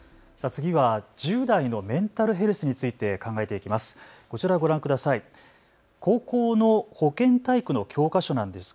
次は１０代のメンタルヘルスについて考えていきます。